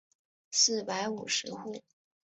四百五十户。